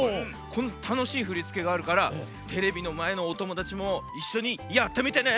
このたのしいふりつけがあるからテレビのまえのおともだちもいっしょにやってみてね！